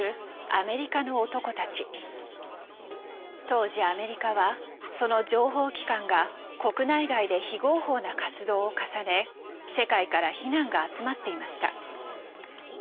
当時アメリカはその情報機関が国内外で非合法な活動を重ね世界から非難が集まっていました。